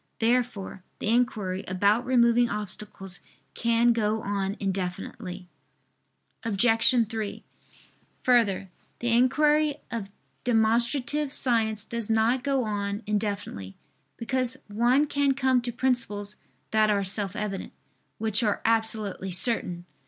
Therefore the inquiry about removing obstacles can go on indefinitely. Obj. 3: Further, the inquiry of demonstrative science does not go on indefinitely, because one can come to principles that are self evident, which are absolutely certain.